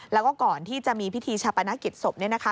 แล้วก็ก่อนที่จะมีพิธีชาปนกิจศพเนี่ยนะคะ